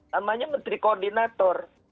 namanya menteri koordinator